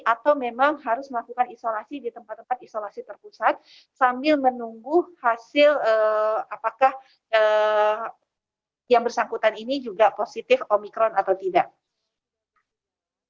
atau memang harus melakukan isolasi di tempat tempat isolasi terpusat sambil menunggu hasil apakah yang bersangkutan ini juga positif omikron atau tidak